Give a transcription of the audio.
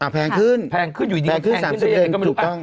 แพงขึ้นแพงขึ้นอยู่ดีแพงขึ้นได้ยังไงก็ไม่รู้